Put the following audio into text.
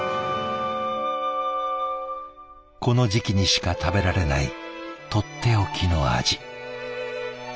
この時期にしか食べられないとっておきの味。